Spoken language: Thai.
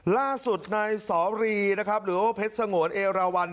ล่าสุดในศรีหรือเพชรสงวนเอราวัล